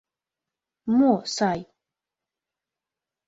Мо сай?